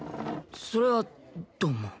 それはどうも。